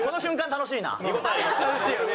楽しいよね。